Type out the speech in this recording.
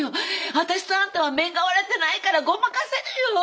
私とあんたは面が割れてないからごまかせるよ！